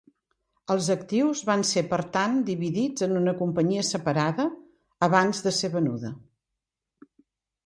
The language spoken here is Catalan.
Els actius van ser per tant dividits en una companyia separada, abans de ser venuda.